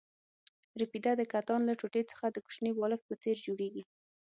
رپیده د کتان له ټوټې څخه د کوچني بالښت په څېر جوړېږي.